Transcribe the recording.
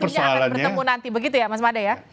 artinya akan bertemu nanti begitu ya mas mada ya